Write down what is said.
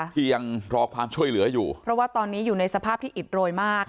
ที่ยังรอความช่วยเหลืออยู่เพราะว่าตอนนี้อยู่ในสภาพที่อิดโรยมาก